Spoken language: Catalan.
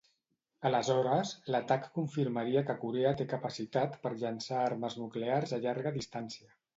Aleshores, l'atac confirmaria que Corea té capacitat per llençar armes nuclears a llarga distància.